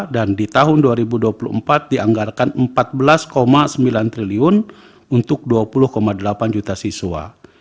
dan di tahun dua ribu dua puluh empat dianggarkan empat belas sembilan triliun untuk dua puluh delapan juta siswa